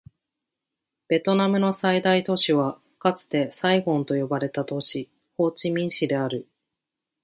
ベトナムの最大都市はかつてサイゴンと呼ばれた都市、ホーチミン市である